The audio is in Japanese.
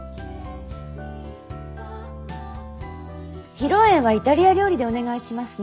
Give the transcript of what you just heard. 披露宴はイタリア料理でお願いしますね。